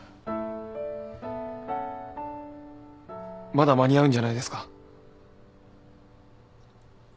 まだ間に合うんじゃないですか？